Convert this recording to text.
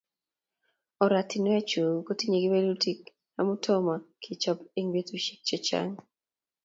Oratinwechu kotinyei kewelutik amu tomo kechobe eng betusiek chechang